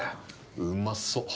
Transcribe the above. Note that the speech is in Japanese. うまそう。